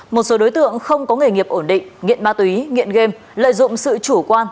một số đối tượng không có nghề nghiệp ổn định nghiện ma túy nghiện game lợi dụng sự chủ quan